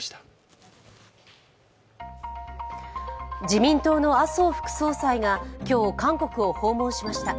自民党の麻生副総裁が今日、韓国を訪問しました。